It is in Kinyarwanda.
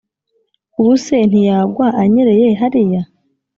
Ubuse ntiyagwa anyereye hariya